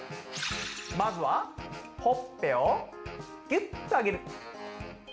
まずはほっぺをギュッとあげる。